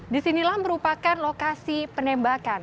disinilah merupakan lokasi penembakan